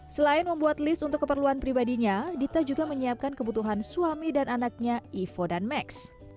selain membuat list untuk keperluan pribadinya dita juga menyiapkan kebutuhan suami dan anaknya ivo dan max